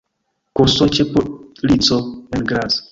Kursoj ĉe polico en Graz.